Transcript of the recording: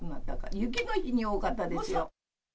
雪の日に多かったですよ。